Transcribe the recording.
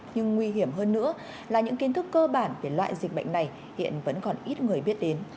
nhưng nguy hiểm hơn nữa là những kiến thức cơ bản về loại dịch bệnh này hiện vẫn còn ít người biết đến